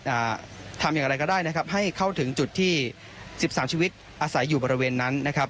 อ่าทำอย่างไรก็ได้นะครับให้เข้าถึงจุดที่สิบสามชีวิตอาศัยอยู่บริเวณนั้นนะครับ